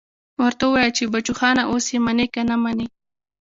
ورته ووايه چې بچوخانه اوس يې منې که نه منې.